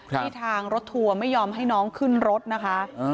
ที่ทางรถทัวร์ไม่ยอมให้น้องขึ้นรถนะคะ